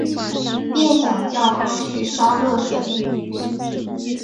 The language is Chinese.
便想叫她去烧热水